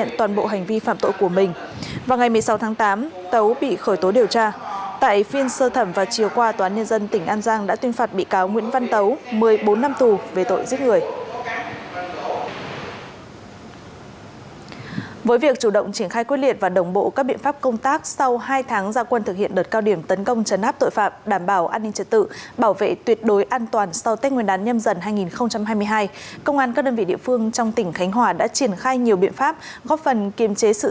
các đơn vị địa phương trong tỉnh khánh hòa đã triển khai nhiều biện pháp góp phần kiềm chế sự gia tăng của các loại tội phạm và tệ nạn xã hội